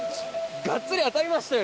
がっつり当たりましたよ